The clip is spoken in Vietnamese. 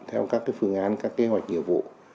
theo các phương án các kế hoạch nghiệp vụ